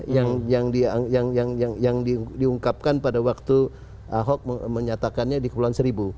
yang diungkapkan pada waktu ahok menyatakannya di kepulauan seribu